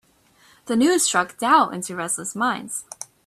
The news struck doubt into restless minds.